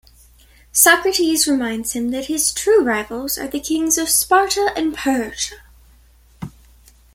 Socrates reminds him that his true rivals are the kings of Sparta and Persia.